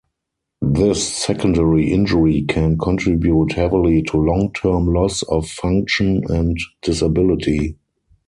This secondary injury can contribute heavily to long term loss of function and disability.